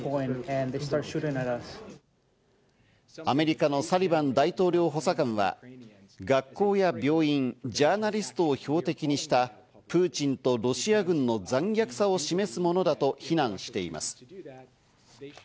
アメリカのサリバン大統領補佐官は学校や病院、ジャーナリストを標的にしたプーチンとロシア軍の残虐さを示すものだと非難しています。